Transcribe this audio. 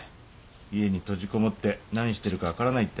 家に閉じこもって何してるか分からないって。